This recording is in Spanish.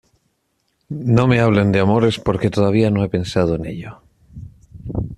No me hablen de amores porque todavía no he pensado en ello.